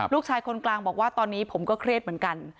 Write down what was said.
ลูกชายคนกลางบอกว่าตอนนี้ผมก็เครียดเหมือนกัน